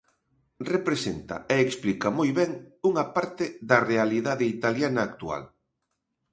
Representa e explica moi ben unha parte da realidade italiana actual.